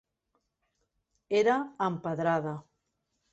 Era empedrada.